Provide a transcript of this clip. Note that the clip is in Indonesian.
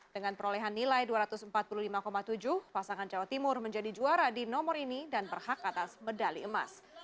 dengan perolehan nilai dua ratus empat puluh lima tujuh pasangan jawa timur menjadi juara di nomor ini dan berhak atas medali emas